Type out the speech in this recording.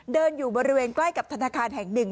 เดินอยู่บริเวณใกล้กับธนาคารแห่งหนึ่ง